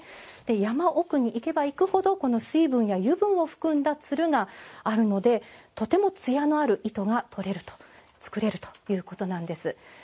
山奥に行けば行くほど水分や油分を含んだつるがあるのでとてもつやのある糸が作れるということなんです。